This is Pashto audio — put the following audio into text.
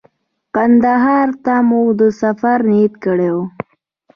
کندهار ته مو د سفر نیت کړی و.